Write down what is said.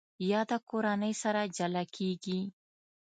یاده کورنۍ سره جلا کېږي.